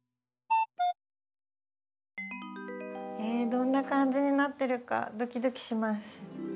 えどんな感じになってるかドキドキします。